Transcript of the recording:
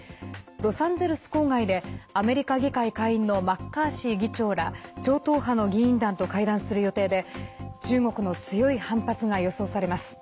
ロサンゼルス郊外でアメリカ議会下院のマッカーシー議長ら超党派の議員団と会談する予定で中国の強い反発が予想されます。